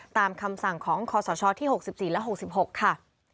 ตามคำสั่งของคศที่๖๔และ๖๖ค่ะ